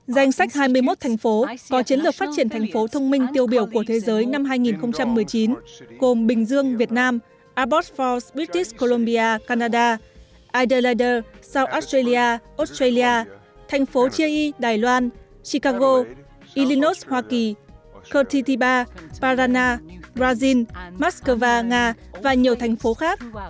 danh sách hai mươi một thành phố có chiến lược phát triển thành phố thông minh tiêu biểu của thế giới năm hai nghìn một mươi chín gồm bình dương việt nam abbotsford british columbia canada adelaide south australia australia thành phố chiayi đài loan chicago illinois hoa kỳ kertitiba parana brazil moscow nga và nhiều thành phố khác